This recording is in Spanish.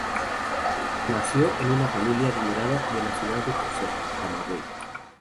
Nació en una familia adinerada de la "Ciudad Prócer" Camagüey.